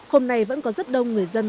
hôm nay vẫn có rất đông người dân